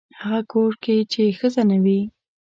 هغه کور کې چې ښځه نه وي.